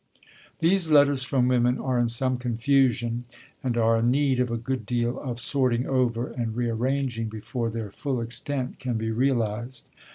These letters from women are in some confusion, and are in need of a good deal of sorting over and rearranging before their full extent can be realised.